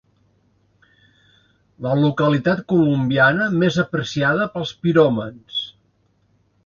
La localitat colombiana més apreciada pels piròmans.